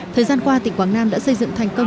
thời gian qua tỉnh quảng nam đã xây dựng thành công